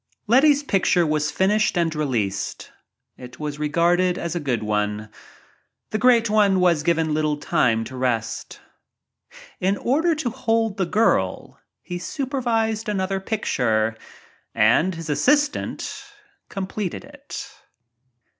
Letty's picture was finished and released. It was regarded as a good one. The Great One was given little time to rest. In order to hold the girl, he supervised another — and his assistant completed it.